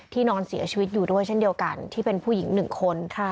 นอนเสียชีวิตอยู่ด้วยเช่นเดียวกันที่เป็นผู้หญิง๑คน